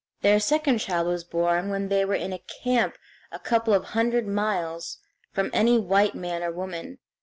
Their second child was born when they were in camp a couple of hundred miles from any white man or woman.